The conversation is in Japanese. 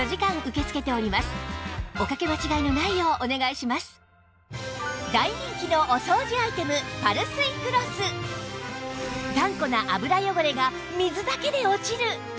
さらに大人気のお掃除アイテム頑固な油汚れが水だけで落ちる！